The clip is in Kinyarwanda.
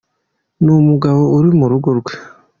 Ni umugabo uri mu rugo rwe.